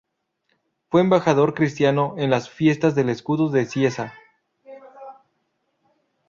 Fue Embajador Cristiano en las Fiestas del Escudo de Cieza.